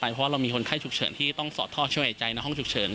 เพราะว่าเรามีคนไข้ฉุกเฉินที่ต้องสอดท่อช่วยหายใจในห้องฉุกเฉิน